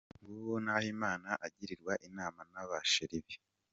Nguwo Nahimana agirwa inama naba cherie be